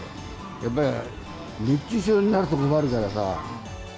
やっぱり熱中症になると困るからさ。